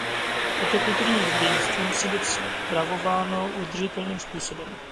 Toto kulturní dědictví musí být spravováno udržitelným způsobem.